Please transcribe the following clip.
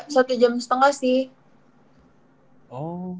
satu jam setengah sih